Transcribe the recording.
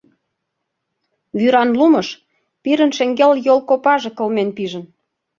Вӱран лумыш пирын шеҥгел йол копаже кылмен пижын.